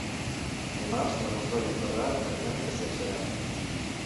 Dimarts na Rosó i en Ferran aniran a Castellserà.